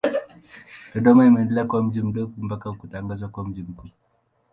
Dodoma imeendelea kuwa mji mdogo mpaka kutangazwa kuwa mji mkuu.